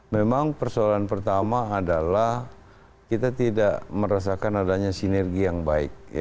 memang persoalan pertama adalah kita tidak merasakan adanya sinergi yang baik